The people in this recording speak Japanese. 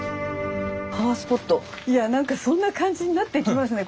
いや何かそんな感じになっていきますね